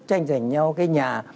tranh giành nhau cái nhà